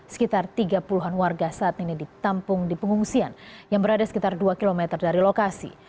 sekitar tiga puluh an warga saat ini ditampung di pengungsian yang berada sekitar dua km dari lokasi